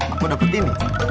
aku dapet ini